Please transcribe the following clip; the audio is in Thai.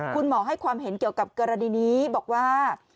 คุณหมอให้ความเห็นเกี่ยวกับกรณีนี้บอกว่า